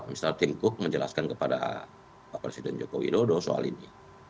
mr timku menjelaskan kepada pak presiden joko widodo soal ini